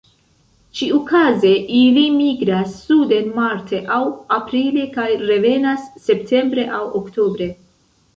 Ĉiukaze ili migras suden marte aŭ aprile kaj revenas septembre aŭ oktobre.